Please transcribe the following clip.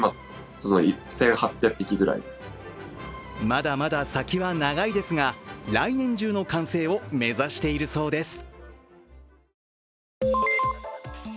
まだまだ先は長いですが来年中の完成を目指しているそうです。